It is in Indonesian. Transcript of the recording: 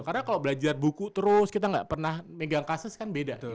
karena kalau belajar buku terus kita nggak pernah megang kasus kan beda gitu ya